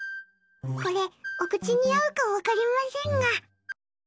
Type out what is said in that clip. こ、これお口に合うか分かりませんが。